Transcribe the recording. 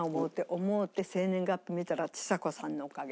思うて生年月日見たらちさ子さんのおかげ。